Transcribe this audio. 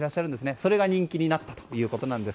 それが人気になったということです。